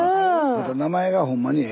また名前がほんまにええわ。